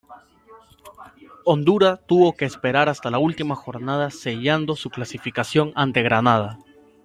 Honduras tuvo que esperar hasta la última jornada sellando su clasificación ante Granada.